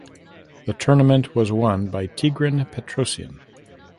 The tournament was won by Tigran Petrosian.